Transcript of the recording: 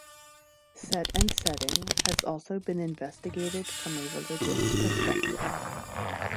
Set and setting has also been investigated from a religious perspective.